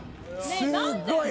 すっごい。